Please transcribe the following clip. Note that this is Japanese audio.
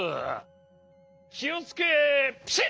きをつけピシッ！